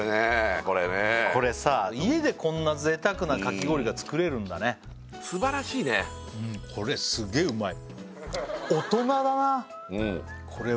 これねこれさ家でこんな贅沢なかき氷が作れるんだねうんこれはうまっ！